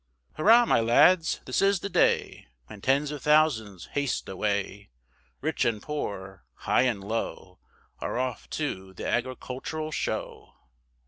Hurrah, my lads, this is the day, When tens of thousands haste away; Rich and poor, high and low, Are off to the Agricultural Show.